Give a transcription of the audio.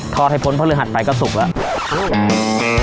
ทอดให้พ้นพระเรือหัดไปก็สุกแล้ว